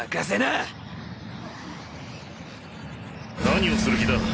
何をする気だ？